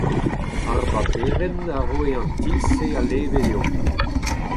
Ar baperenn a roe an ti-se a-leve dezho.